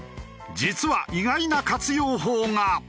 実は意外な活用法が。